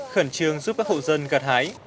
khẩn trương giúp các hộ dân gạt hái